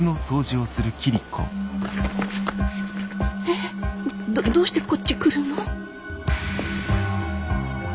えっどどうしてこっち来るの？